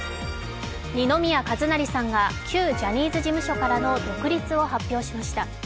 二宮和也さんが旧ジャニーズ事務所からの独立を発表しました。